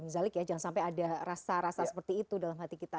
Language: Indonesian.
misalnya jangan sampai ada rasa rasa seperti itu dalam hati kita